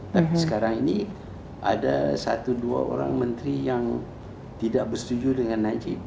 tapi sekarang ini ada satu dua orang menteri yang tidak bersetuju dengan najib